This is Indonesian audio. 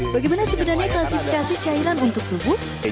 bagaimana sebenarnya klasifikasi cairan untuk tubuh